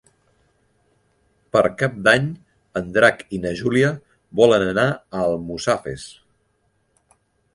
Per Cap d'Any en Drac i na Júlia volen anar a Almussafes.